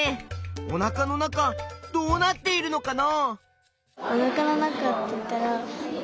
おなかの中どうなっているのかな？